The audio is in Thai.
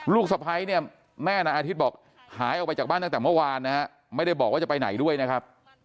สะพ้ายเนี่ยแม่นายอาทิตย์บอกหายออกไปจากบ้านตั้งแต่เมื่อวานนะฮะไม่ได้บอกว่าจะไปไหนด้วยนะครับ